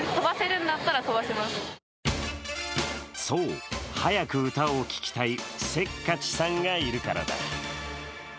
そう、早く歌を聴きたいせっかちさんがいるからだ。